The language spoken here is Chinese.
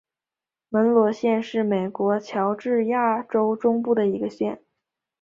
门罗县是美国乔治亚州中部的一个县。